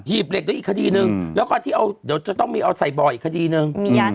หีบเหล็กต้องอีกคดีหนึ่งแล้วก็จะต้องมีเอาใส่บ่ออีกคดีหนึ่ง